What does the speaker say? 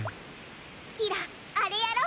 キラあれやろ。